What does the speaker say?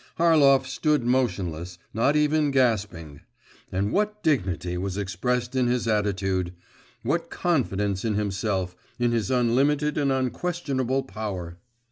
Harlov stood motionless, not even gasping; and what dignity was expressed in his attitude, what confidence in himself, in his unlimited and unquestionable power!